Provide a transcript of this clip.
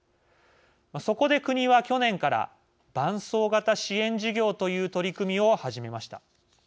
そこで、国は去年から伴走型支援事業という取り組みを始めました。